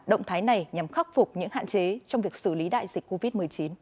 động thái này nhằm khắc phục những hạn chế trong việc xử lý đại dịch covid một mươi chín